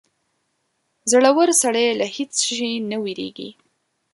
• زړور سړی له هېڅ شي نه وېرېږي.